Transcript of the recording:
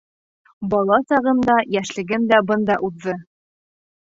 Бала сағым да, йәшлегем дә бында уҙҙы.